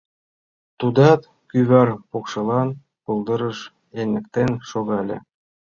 Тудат кӱвар покшелан пылдырыш эҥертен шогале.